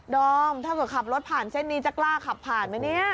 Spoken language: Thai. อมถ้าเกิดขับรถผ่านเส้นนี้จะกล้าขับผ่านไหมเนี่ย